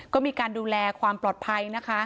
ก็มีการดูแลความปลอดภัยนะคะ